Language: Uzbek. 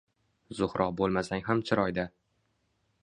Zuhro bo’lmasang ham chiroyda